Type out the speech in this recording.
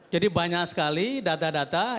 jadi banyak sekali data data